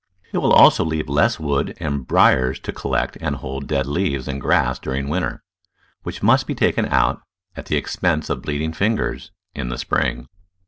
It will also leave less wood and briers to collect and hold dead leaves and grass during winter, which must be taken out, at the ex pense of bleeding fingers, in the spring.